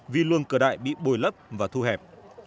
vì luồng cờ đại bị bồi lấp và thu hẹp